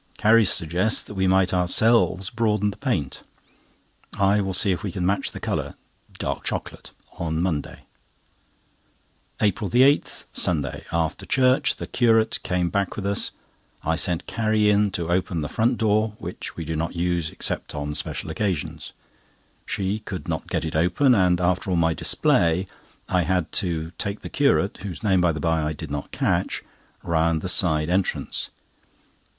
Carrie suggests that we might ourselves broaden the paint. I will see if we can match the colour (dark chocolate) on Monday. APRIL 8, Sunday.—After Church, the Curate came back with us. I sent Carrie in to open front door, which we do not use except on special occasions. She could not get it open, and after all my display, I had to take the Curate (whose name, by the by, I did not catch,) round the side entrance.